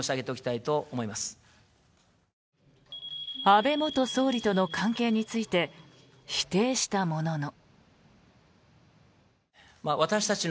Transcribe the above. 安倍元総理との関係について否定したものの。